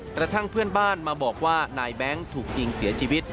กระทั่งเพื่อนบ้านมาบอกว่านายแบงค์ถูกยิงเสียชีวิต